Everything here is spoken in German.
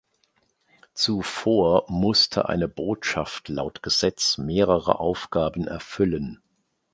Zuvor musste eine Botschaft laut Gesetz mehrere Aufgaben erfüllen.